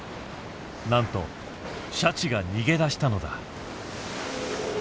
なんとシャチが逃げ出したのだ。